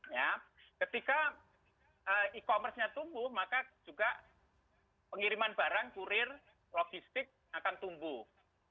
ya ketika e commerce nya tumbuh maka juga pengiriman barang kurir logistik akan tumbuh